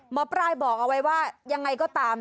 หมอปลายบอกเอาไว้ว่ายังไงก็ตาม